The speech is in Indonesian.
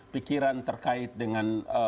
pikiran terkait dengan